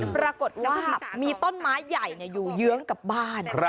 ปรากฏว่ามีต้นไม้ใหญ่อยู่เยื้องกับบ้าน